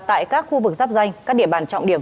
tại các khu vực giáp danh các địa bàn trọng điểm